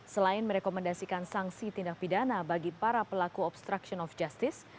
selain merekomendasikan sanksi tindak pidana bagi para pelaku obstruction of justice